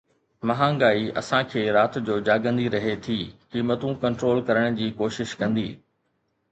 مهانگائي اسان کي رات جو جاڳندي رهي ٿي قيمتون ڪنٽرول ڪرڻ جي ڪوشش ڪندي